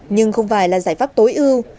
nhưng không phải là giải pháp tối ưu